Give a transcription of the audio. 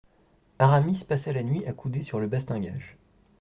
Aramis passa la nuit accoudé sur le bastingage.